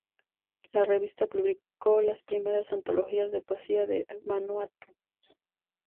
La revista publicó las primeras antologías de poesía de Vanuatu.